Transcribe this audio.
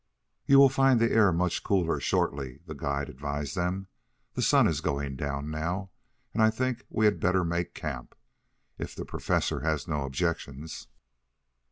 "You will find the air much cooler, shortly," the guide advised them. "The sun is going down now and I think we had better make camp, if the Professor has no objections."